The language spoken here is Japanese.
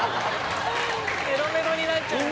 メロメロになっちゃう。